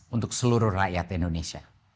untuk seluruh rakyat indonesia